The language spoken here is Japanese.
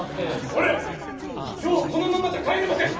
俺今日このままじゃ帰れません！